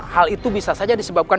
hal itu bisa saja disebabkan